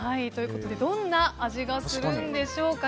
どんな味がするんでしょうか。